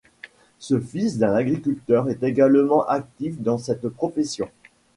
Ce fils d'un agriculteur est également actif dans cette profession.